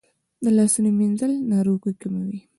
د لاسونو مینځل ناروغۍ کموي.